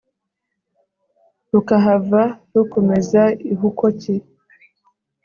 rukahava rukomeza i hukoki